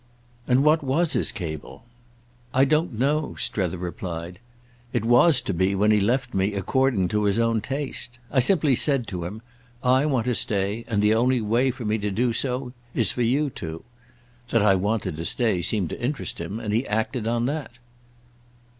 "And what was his cable?" "I don't know," Strether replied; "it was to be, when he left me, according to his own taste. I simply said to him: 'I want to stay, and the only way for me to do so is for you to.' That I wanted to stay seemed to interest him, and he acted on that."